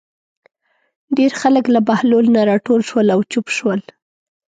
ډېر خلک له بهلول نه راټول شول او چوپ شول.